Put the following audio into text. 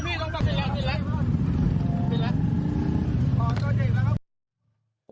พี่ปิดฝั่งนู้นเลย